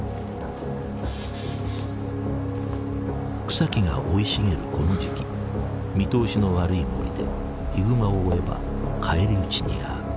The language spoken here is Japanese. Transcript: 草木が生い茂るこの時期見通しの悪い森でヒグマを追えば返り討ちに遭う。